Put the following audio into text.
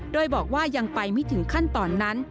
โดยบอกว่ายังไปไม่ถึงขั้นตอนนั้น